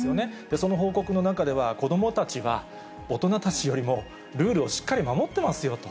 その報告の中では、子どもたちは、大人たちよりもルールをしっかり守ってますよと。